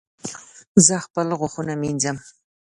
زه خپل غاښونه وینځم